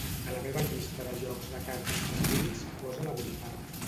A la meva llista de jocs de cartes preferits posa la botifarra.